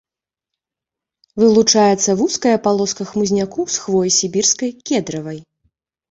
Вылучаецца вузкая палоска хмызняку з хвоі сібірскай кедравай.